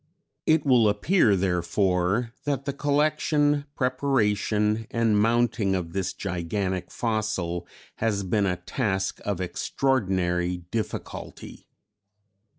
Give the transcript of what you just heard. ] "It will appear, therefore, that the collection, preparation and mounting of this gigantic fossil has been a task of extraordinary difficulty.